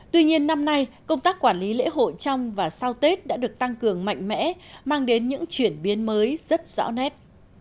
tuy nhiên năm nay công tác quản lý lễ hội trong và sau tết đã được tăng cường mạnh mẽ mang đến những chuyển biến mới rất rõ nét